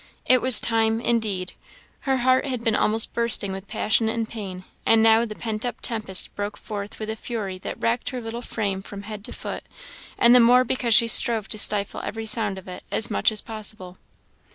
It was time, indeed; her heart had been almost bursting with passion and pain, and now the pent up tempest broke forth with a fury that racked her little frame from head to foot; and the more because she strove to stifle every sound of it as much as possible.